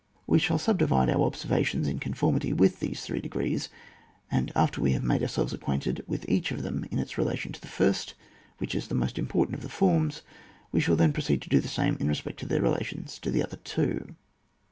We shall subdivide our observations, in conformity with these three degrees, and after we have made ourselves acquainted with each of them in its relation to the first, which is the most important of the forms, we shall then proceed to do the same in respect to their relations to the other two.